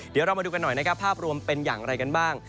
เดี๋ยวเรามาดูกันหน่อยนะครับภาพรวมเป็นอย่างไรกันบ้าง